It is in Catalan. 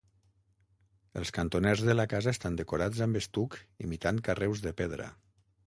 Els cantoners de la casa estan decorats amb estuc imitant carreus de pedra.